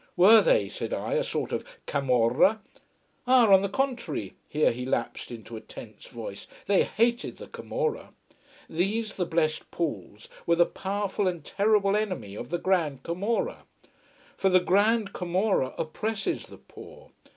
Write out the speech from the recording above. Were they, said I, a sort of camorra? Ah, on the contrary here he lapsed into a tense voice they hated the camorra. These, the Blest Pauls, were the powerful and terrible enemy of the grand camorra. For the Grand Camorra oppresses the poor.